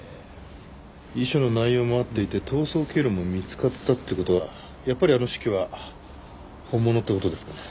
遺書の内容も合っていて逃走経路も見つかったって事はやっぱりあの手記は本物って事ですかね？